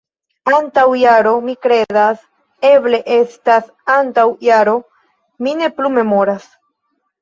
Antaŭ jaro, mi kredas... eble estas antaŭ jaro. Mi ne plu memoras